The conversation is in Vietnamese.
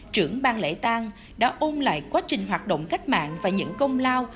trưởng bang lễ tang đã ôn lại quá trình hoạt động cách mạng và những công lao